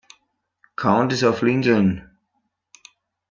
Countess of Lincoln.